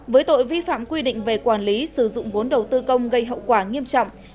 với tội vi phạm quy định về quản lý sử dụng vốn đầu tư công gây hậu quả nghiêm trọng